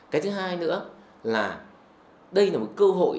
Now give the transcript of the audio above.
cái thứ hai nữa là đây là một cơ hội